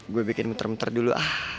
gue bikin muter muter dulu ah